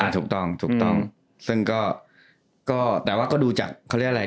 ถูกต้องถูกต้องซึ่งก็แต่ว่าก็ดูจากเขาเรียกอะไร